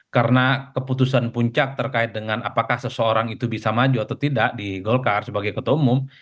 karena keputusan puncak terkait dengan apakah seseorang itu bisa maju atau tidak di golkar sebagai ketua umum